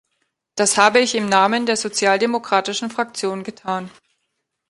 Das habe ich im Namen der Sozialdemokratischen Fraktion getan.